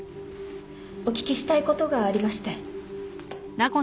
お聞きしたいことがありまして。